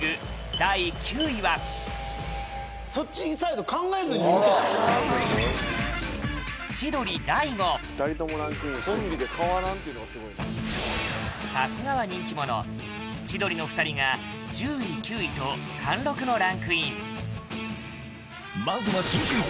第９位はさすがは人気者千鳥の２人が１０位９位と貫禄のランクインまずは新クイズ